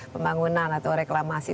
pembangunan atau reklamasi